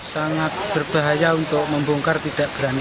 sangat berbahaya untuk membongkar tidak berani